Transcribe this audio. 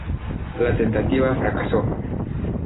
La tentativa fracasó.